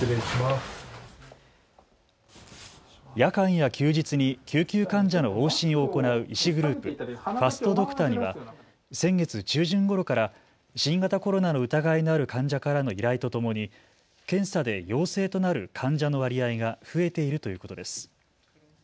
夜間や休日に救急患者の往診を行う医師グループ、ファストドクターには先月中旬ごろから新型コロナの疑いのある患者からの依頼とともに検査で陽性となる患者の割合が増えているということです。